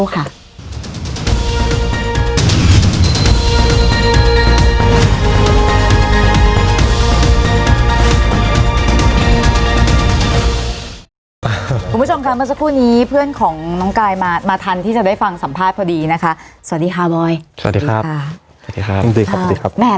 คุณผู้ชมค่ะเมื่อสักครู่นี้เพื่อนของน้องกายมาทันที่จะได้ฟังสัมภาษณ์พอดีนะคะสวัสดีค่ะบอยสวัสดีครับค่ะสวัสดีครับสวัสดีครับสวัสดีครับแม่